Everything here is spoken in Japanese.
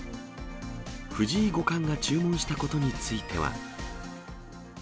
藤井五冠が注文したことについては。